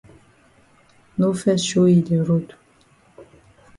No fes show yi de road.